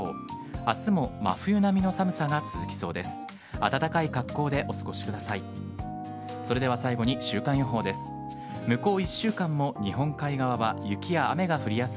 明日も真冬並みの寒さが続きそうです。